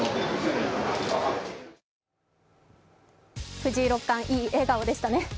藤井六冠、いい笑顔でしたね。